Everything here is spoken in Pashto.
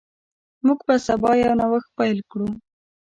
موږ به سبا یو نوښت پیل کړو.